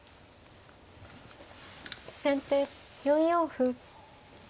先手４四歩。